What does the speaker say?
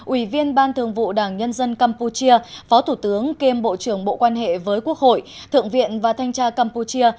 ủy viên ban thường vụ đảng nhân dân campuchia phó thủ tướng kiêm bộ trưởng bộ quan hệ với quốc hội thượng viện và thanh tra campuchia